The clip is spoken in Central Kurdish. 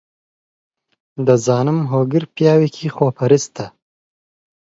دەزانم هۆگر پیاوێکی خۆپەرستە.